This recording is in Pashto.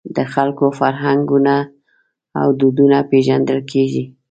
د خلکو فرهنګونه او دودونه پېژندل کېږي.